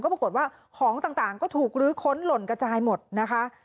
ปรากฏว่าของต่างก็ถูกลื้อค้นหล่นกระจายหมดนะคะ